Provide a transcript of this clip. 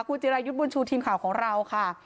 คุณจิรายุทธ์บุญชูทีมข่าวของเราค่ะ